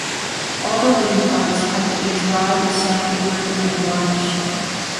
All the wooden parts had to be dried, sandpapered and varnished.